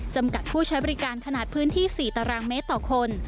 จำกัดผู้ใช้บริการขนาดพื้นที่๔ตารางเมตรต่อคน